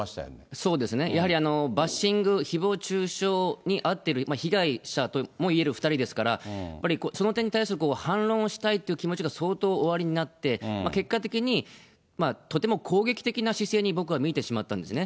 そうですね、やはりバッシング、ひぼう中傷に遭っている被害者ともいえる２人ですから、やっぱりその点に対する反論をしたいという気持ちが相当おありになって、結果的にとても攻撃的な姿勢に、僕は見えてしまったんですね。